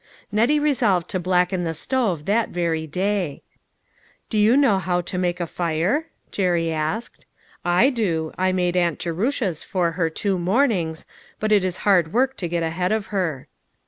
Nettie resolved to blacken the stove that very day. " Do you know how to make a fire ?" Jerry asked. "I do. I made aunt Jerusha's for her, two mornings, but it is hard work to get ahead of her."